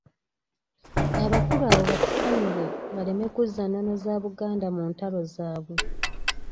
Abakulu abo batusonyiwe baleme kuzza nnono za Buganda mu ntalo zaabwe.